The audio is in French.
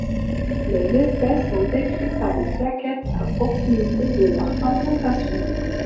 Les espèces sont décrites par des plaquettes à proximité de leur implantation.